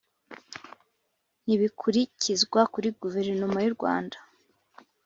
ntibikurikizwa kuri Guverinoma y u Rwanda